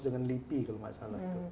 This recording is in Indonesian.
dengan lipi kalau gak salah